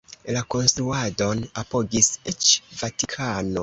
La konstruadon apogis eĉ Vatikano.